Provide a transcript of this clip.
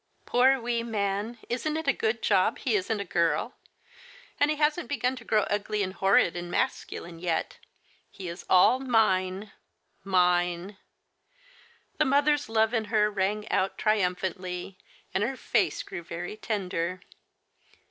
" Poor wee man, isn't it a good job he isn't a girl ? And he hasn't begun to grow ugly and horrid and masculine yet — he is all mine, mine !" The mother's love in her rang out triumph antly, and her face grew very tender.